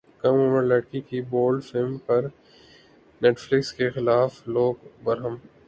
کم عمر لڑکی کی بولڈ فلم پر نیٹ فلیکس کے خلاف لوگ برہم